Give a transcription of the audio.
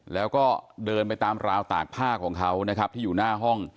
แล้วก็เดินไปตามราวตากผ้าของเขานะครับที่อยู่หน้าห้อง